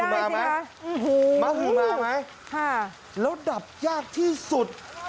แล้วดับยากที่สุด